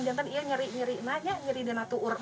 jangan jangan ya nyeri nyeri nanya nyeri di atur